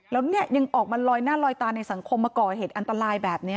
แล้วเนี่ยยังออกมาลอยหน้าลอยตาในสังคมมาก่อเหตุอันตรายแบบนี้